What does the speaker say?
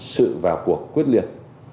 sự vào cuộc quyết liệt